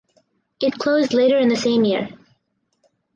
It closed later in the same year.